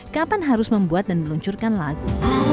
kapan harus membuat dan meluncurkan lagu